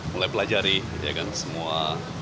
mulai pelajari ya kan semua